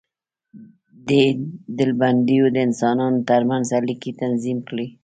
دې ډلبندیو د انسانانو تر منځ اړیکې تنظیم کړې.